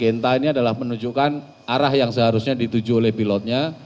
genta ini adalah menunjukkan arah yang seharusnya dituju oleh pilotnya